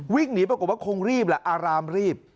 วิ่งหนีปรากฏว่าคงรีบแหละอารามรีบ